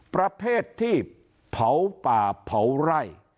ประเภทที่เผาป่าเผาไร่